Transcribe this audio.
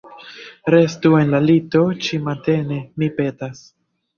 Restu en la lito ĉimatene, mi petas.